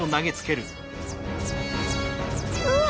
うわ！